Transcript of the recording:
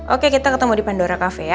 oke kita ketemu di pandora kafe ya